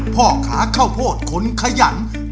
พ่อขาเข้าโพดขนขยัน